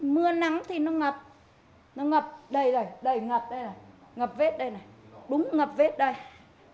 mưa nắng thì nó ngập nó ngập đây này đây ngập đây này ngập vết đây này đúng ngập vết đây